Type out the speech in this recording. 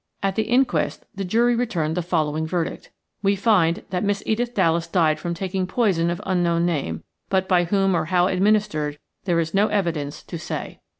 At the inquest the jury returned the following verdict:– "We find that Miss Edith Dallas died from taking poison of unknown name, but by whom or how administered there is no evidence to say."